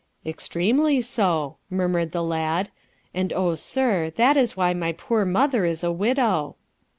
"Extremely so," murmured the lad, "and, oh, sir, that is why my poor mother is a widow."